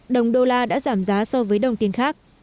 đồng đô la đã giảm giá so với đồng tiền khác